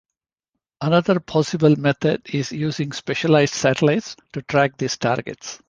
Another possible method is using specialized satellites to track these targets.